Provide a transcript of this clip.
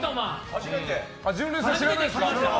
初めてですか？